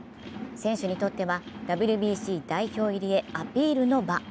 選手にとってはＷＢＣ代表入りへアピールの場。